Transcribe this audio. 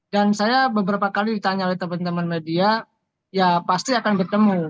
dan saya beberapa kali ditanya oleh teman teman media ya pasti akan bertemu